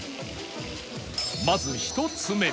まず１つ目